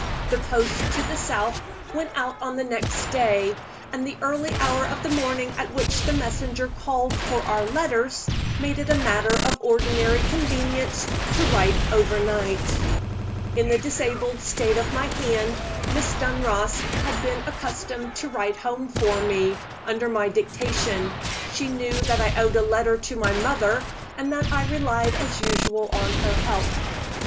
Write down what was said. The post to the south went out on the next day; and the early hour of the morning at which the messenger called for our letters made it a matter of ordinary convenience to write overnight. In the disabled state of my hand, Miss Dunross had been accustomed to write home for me, under my dictation: she knew that I owed a letter to my mother, and that I relied as usual on her help.